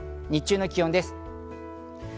日中の気温です。